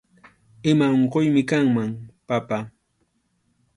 Ima unquymi kanman, papá